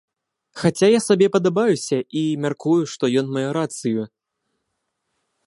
Хаця я сабе падабаюся, і, мяркую, што ён мае рацыю.